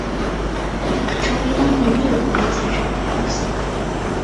成为当年最红的青少年偶像。